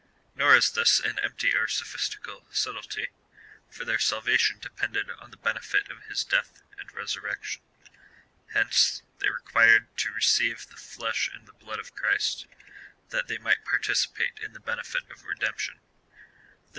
Nor is this an empty or sophistical subtilty, for their salvation depended on the benefit of his death and resurrection. Hence, they required to receive the flesh and the blood of Christ, that 1 " Celebre et magnifie ;"—" Celebrates and extols."